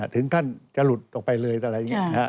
ถึงขั้นจะหลุดออกไปเลยอะไรอย่างนี้